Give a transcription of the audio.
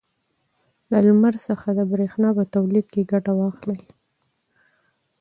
له لمر څخه د برېښنا په تولید کې ګټه واخلئ.